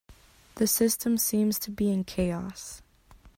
The system seems to be in chaos.